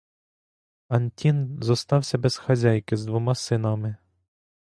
Антін зостався без хазяйки з двома синами.